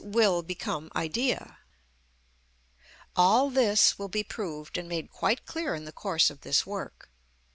_, will become idea. All this will be proved and made quite clear in the course of this work.